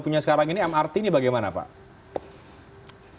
punya sekarang ini mrt ini bagaimana pak